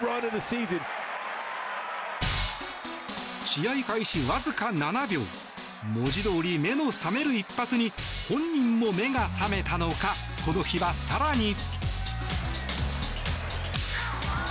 試合開始わずか７秒文字どおり目の覚める一発に本人も目が覚めたのかこの日は更に。